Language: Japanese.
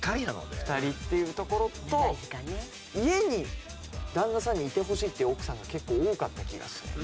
２人っていうところと家に旦那さんにいてほしいっていう奥さんが結構多かった気がして。